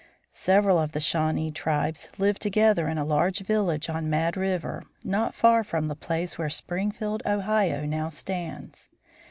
Several of the Shawnee tribes lived together in a large village on Mad River, not far from the place where Springfield, Ohio, now stands.